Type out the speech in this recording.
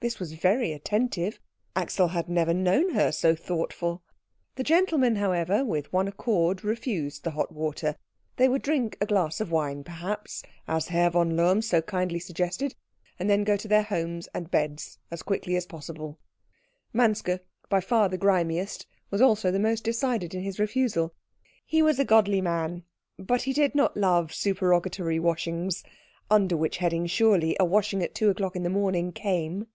This was very attentive. Axel had never known her so thoughtful. The gentlemen, however, with one accord refused the hot water; they would drink a glass of wine, perhaps, as Herr von Lohm so kindly suggested, and then go to their homes and beds as quickly as possible. Manske, by far the grimiest, was also the most decided in his refusal; he was a godly man, but he did not love supererogatory washings, under which heading surely a washing at two o'clock in the morning came.